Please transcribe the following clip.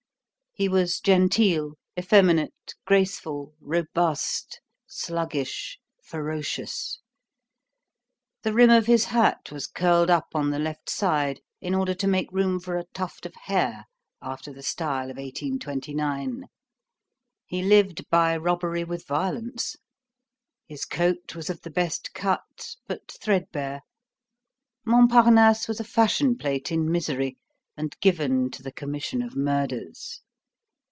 He was genteel, effeminate, graceful, robust, sluggish, ferocious. The rim of his hat was curled up on the left side, in order to make room for a tuft of hair, after the style of 1829. He lived by robbery with violence. His coat was of the best cut, but threadbare. Montparnasse was a fashion plate in misery and given to the commission of murders.